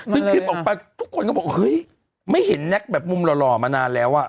ซึ่งคลิปออกไปทุกคนก็บอกเฮ้ยไม่เห็นแน็กแบบมุมหล่อมานานแล้วอ่ะ